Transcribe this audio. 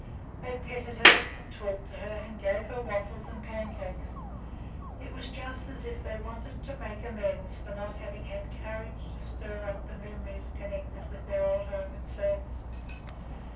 They petted her, and talked to her, and gave her waffles and pancakes. It was just as if they wanted to make amends for not having had courage to stir up the memories connected with their old home itself.